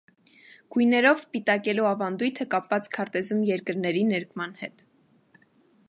Գույներով պիտակելու ավանդույթը կապված քարտեզում երկրների ներկման հետ։